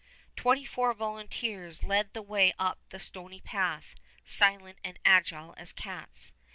Twenty four volunteers lead the way up the stony path, silent and agile as cats.